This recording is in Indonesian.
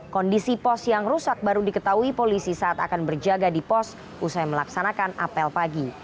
kondisi pos yang rusak baru diketahui polisi saat akan berjaga di pos usai melaksanakan apel pagi